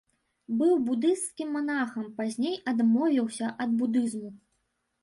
Быў будысцкім манахам, пазней адмовіўся ад будызму.